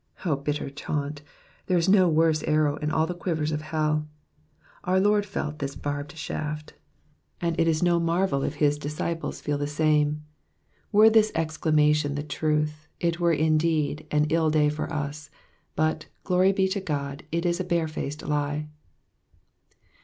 ''^ O bitter taunt I There is no worse arrow in all ttie quivers of hell. Our Lord felt this baibed shaft, and it is no marvel if his disciples feel the same. Were this exclamation the truth, it were indeed an ill day for us ; but, glory be to God, it is a barefaced lie.